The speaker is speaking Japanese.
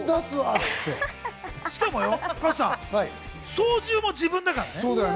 しかも加藤さん、操縦も自分だからね。